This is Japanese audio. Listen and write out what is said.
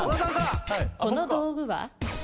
この道具は？